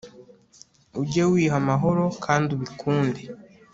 ujye wiha amahoro kandi ubikunde